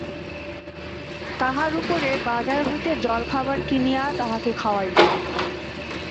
তাহার উপরে বাজার হইতে জলখাবার কিনিয়া তাহাকে খাওয়াইল।